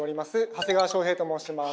長谷川翔平と申します。